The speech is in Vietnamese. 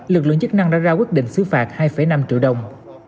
lực lượng chức năng đã ra quyết định xứ phạt hai năm triệu đồng